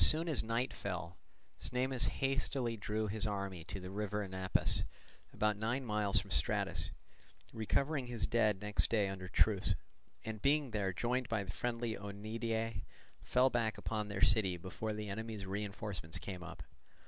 As soon as night fell, Cnemus hastily drew off his army to the river Anapus, about nine miles from Stratus, recovering his dead next day under truce, and being there joined by the friendly Oeniadae, fell back upon their city before the enemy's reinforcements came up.